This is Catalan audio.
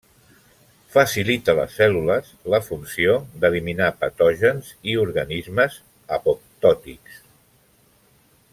Facilita les cèl·lules la funció d’eliminar patògens i organismes apoptòtics.